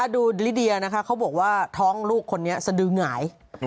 ดูลิเดียนะคะเขาบอกว่าท้องลูกคนนี้สะดือหงาย